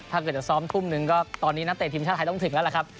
ถ้าเกิดจะซ้อมทุ่มนึงก็ตอนนี้นักเตะทีมชาติไทยต้องถึงแล้วล่ะครับ